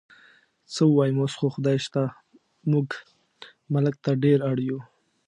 څه ووایم، اوس خو خدای شته موږ ملک ته ډېر اړ یو.